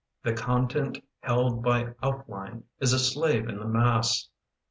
The content held by outline Is a slave in the mass.